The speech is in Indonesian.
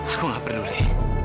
aku gak peduli